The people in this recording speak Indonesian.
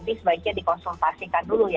ini sebaiknya dikonsultasikan dulu